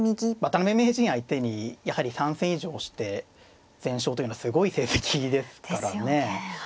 渡辺名人相手にやはり３戦以上して全勝というのはすごい成績ですからね。ですよねはい。